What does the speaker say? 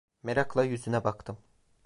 Merakla yüzüne baktım.